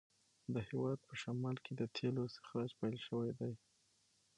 د هیواد په شمال کې د تېلو استخراج پیل شوی دی.